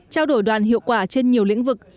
trao đổi đoàn hiệu quả trên nhiều lĩnh vực